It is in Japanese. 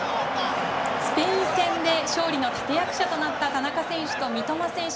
スペイン戦で勝利の立役者となった田中選手と三笘選手。